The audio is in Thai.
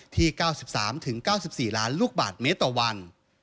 ที่๙๓๙๔ล้านลูกบาทเมตรต่อวัน